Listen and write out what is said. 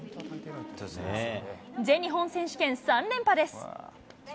全日本選手権３連覇です。